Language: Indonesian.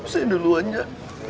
sini dulu aja